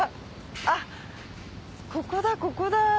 あっここだここだ。